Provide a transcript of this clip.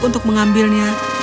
dan dia mencukupi kudanya